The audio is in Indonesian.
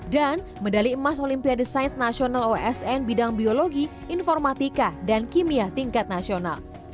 dan medali emas olimpiade sains nasional osn bidang biologi informatika dan kimia tingkat nasional